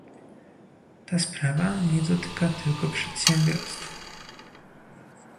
Ta sprawa nie dotyka tylko przedsiębiorstw